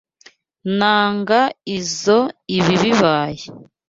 Nanga izoo ibi bibaye.